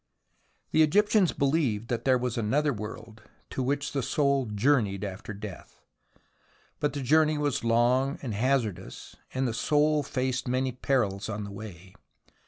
The Egyptians believed that there was another world, to which the soul journeyed after death. But the journey was long and hazardous, and the soul faced many perils on the way.